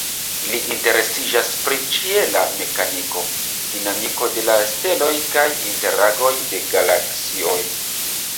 Li interesiĝas pri ĉiela mekaniko, dinamiko de la steloj kaj interagoj de galaksioj.